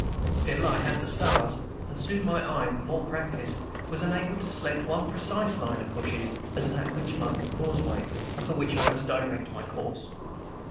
Still I had the stars; and soon my eye, more practised, was enabled to select one precise line of bushes as that which marked the causeway, and for which I must direct my course.